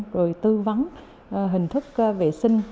rồi tư vấn hình thức vệ sinh